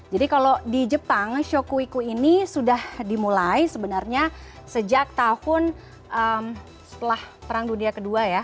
jadi kalau di jepang shokuiku ini sudah dimulai sebenarnya sejak tahun setelah perang dunia kedua ya